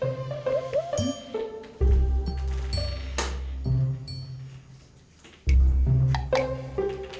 jangan terlalu banyak